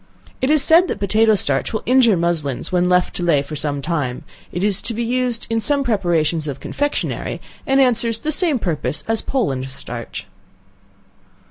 It is said that potato starch will injure muslins when left to lay by for some time, it is used in some preparations of confectionary, and answers the same purpose as Poland starch.